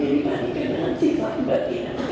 menjadi pandangan sifat badan yang